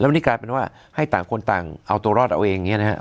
แล้วนี่กลายเป็นว่าให้ต่างคนต่างเอาตัวรอดเอาเองเนี่ยนะครับ